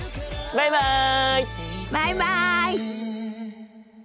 バイバイ。